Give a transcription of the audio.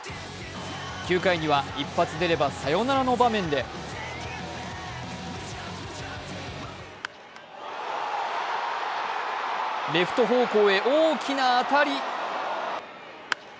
９回には一発出ればサヨナラの場面でレフト方向へ大きな当たり。